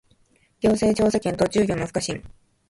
行政調査権と住居の不可侵